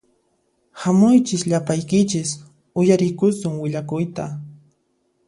Hamuychis llapaykichis uyariykusun willakuyta